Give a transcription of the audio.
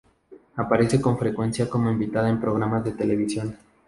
Aparece con frecuencia como invitada en programas de televisión.